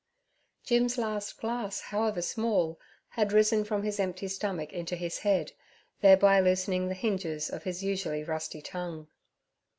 Jim's last glass, however small, had risen from his empty stomach into his head, thereby loosening the hinges of his usually rusty tongue.